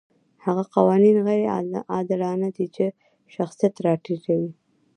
هغه قوانین غیر عادلانه دي چې شخصیت راټیټوي.